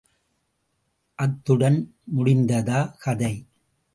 அத்துடன் முடிந்ததா கதை?